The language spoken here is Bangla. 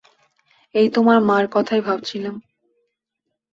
এই তোমার মার কথাই ভাবছিলাম।